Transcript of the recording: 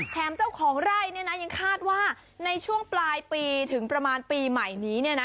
เจ้าของไร่ยังคาดว่าในช่วงปลายปีถึงประมาณปีใหม่นี้